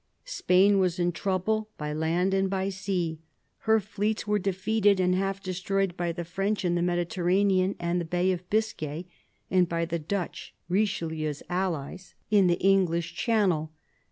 Spain was in trouble by land and by sea. Her fleets were defeated and half destroyed by the French in the Mediterranean and the Bay of Biscay, and by the Dutch, Richelieu's allies, in the English Channel.